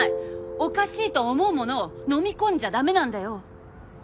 おかしいと思うものをのみ込んじゃだめなんだよ。